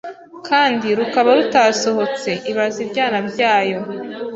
kandi rukaba rutasohotse, ibaza ibyana byayo